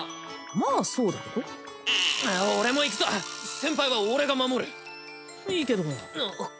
まあそうだけど俺も行くぞ先輩は俺が守るいいけどうう